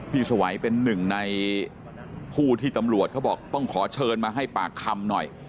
สวัยเป็นหนึ่งในผู้ที่ตำรวจเขาบอกต้องขอเชิญมาให้ปากคำหน่อย